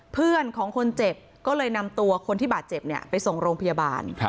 เพื่อนของคนเจ็บก็เลยนำตัวคนที่บาดเจ็บไปส่งโรงพยาบาล